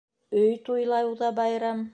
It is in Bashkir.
Өй туйлау ҙа байрам